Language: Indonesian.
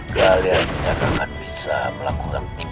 kalian tidak akan bisa melakukan tipe ini